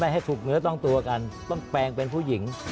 ให้ถูกเนื้อต้องตัวกันต้องแปลงเป็นผู้หญิง